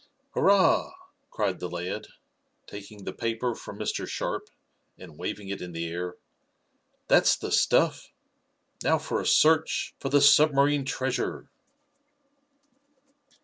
"Hurrah!" cried the lad, taking the paper from Mr. Sharp and waving it in the air. "That's the stuff! Now for a search for the submarine treasure!"